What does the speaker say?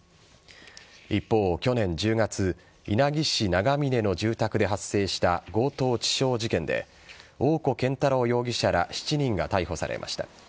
一方、去年１０月稲城市長峰の住宅で発生した強盗致傷事件で大古健太郎容疑者ら７人が逮捕されました。